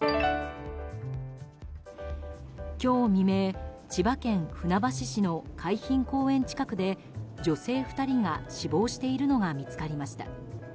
今日未明千葉県船橋市の海浜公園近くで女性２人が死亡しているのが見つかりました。